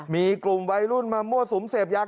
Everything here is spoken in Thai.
มีกลุ่มวัยรุ่นมามั่วสุมเสพยา